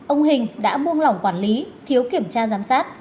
ông hình đã buông lỏng quản lý thiếu kiểm tra giám sát